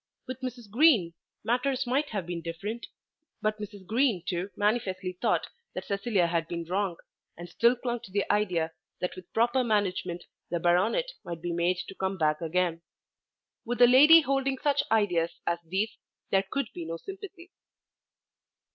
With Mrs. Green matters might have been different; but Mrs. Green too manifestly thought that Cecilia had been wrong, and still clung to the idea that with proper management the baronet might be made to come back again. With a lady holding such ideas as these there could be no sympathy.